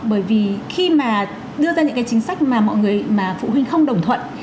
bởi vì khi mà đưa ra những cái chính sách mà mọi người mà phụ huynh không đồng thuận